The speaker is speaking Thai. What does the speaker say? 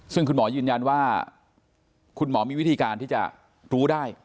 ซึ่งคุณหมอยืนยันว่าคุณหมอมีวิธีการที่จะรู้ได้